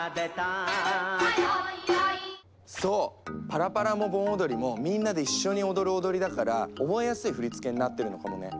パラパラも盆踊りもみんなで一緒に踊る踊りだから覚えやすい振り付けになってるのかもね。